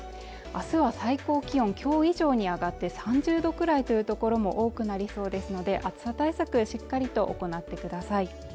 明日は最高気温きょう以上に上がって３０度くらいという所も多くなりそうですので暑さ対策はしっかりと行なってください